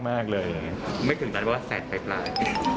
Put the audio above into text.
ไม่ถึงกลัวแสนใกล้ปลาย